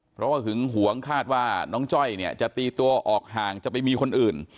เพราะว่าหึงหวงคาดว่าน้องจ้อยเนี่ยจะตีตัวออกห่างจะไปมีคนอื่น